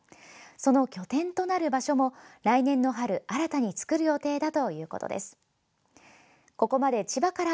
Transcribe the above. その拠点となる場所も、来年の春新たに作る予定だということです。